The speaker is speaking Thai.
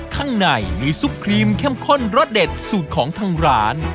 ข้างในมีซุปครีมเข้มข้นรสเด็ดสูตรของทางร้าน